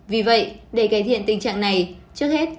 vì vậy để cải thiện tình trạng này trước hết